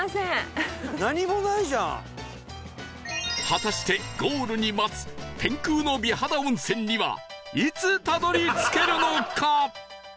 果たしてゴールに待つ天空の美肌温泉にはいつたどり着けるのか？